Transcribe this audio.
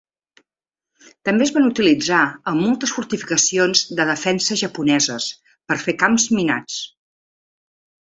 També es van utilitzar en moltes fortificacions de defensa japoneses, per fer camps minats.